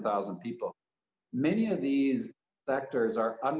dan populasi membutuhkan